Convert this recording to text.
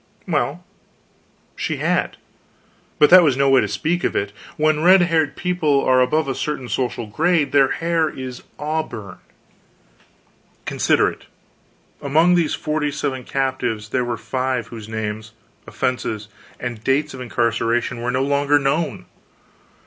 Well, she had; but that was no way to speak of it. When red headed people are above a certain social grade their hair is auburn. Consider it: among these forty seven captives there were five whose names, offenses, and dates of incarceration were no longer known!